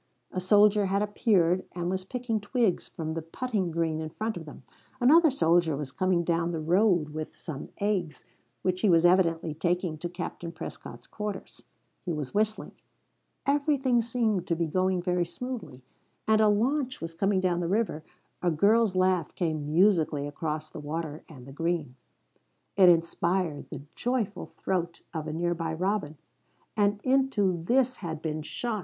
A soldier had appeared and was picking twigs from the putting green in front of them; another soldier was coming down the road with some eggs which he was evidently taking to Captain Prescott's quarters. He was whistling. Everything seemed to be going very smoothly. And a launch was coming down the river; a girl's laugh came musically across the water and the green; it inspired the joyful throat of a nearby robin. And into this had been shot